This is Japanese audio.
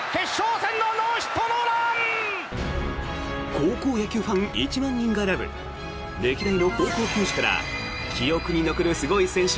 高校野球ファン１万人が選ぶ歴代の高校球児から記憶に残るすごい選手